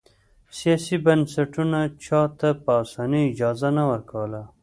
سیاسي بنسټونو چا ته په اسانۍ اجازه نه ورکوله.